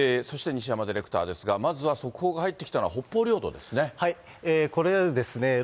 そして西山ディレクターですが、まずは、速報が入ってきたのは北方領土ですね。